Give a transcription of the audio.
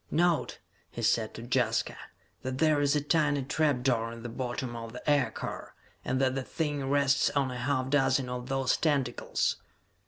"Note," he said to Jaska, "that there is a tiny trap door in the bottom of the aircar, and that the thing rests on a half dozen of those tentacles!"